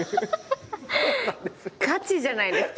ガチじゃないですか。